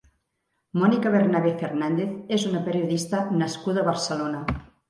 Mònica Bernabé Fernández és una periodista nascuda a Barcelona.